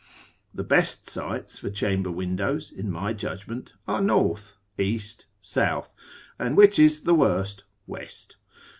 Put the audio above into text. The best sites for chamber windows, in my judgment, are north, east, south, and which is the worst, west.